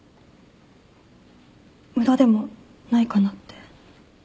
無駄でもないかなって。